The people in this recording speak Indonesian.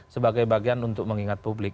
sebagai bagian untuk mengingat publik